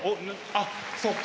あっそっか。